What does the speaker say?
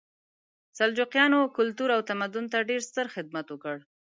سلجوقیانو کلتور او تمدن ته ډېر ستر خدمت وکړ.